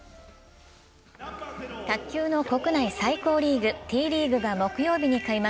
卓球の国内最高リーグ、Ｔリーグが木曜日に開幕。